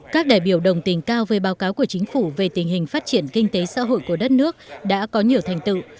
các đại biểu đồng tình cao với báo cáo của chính phủ về tình hình phát triển kinh tế xã hội của đất nước đã có nhiều thành tựu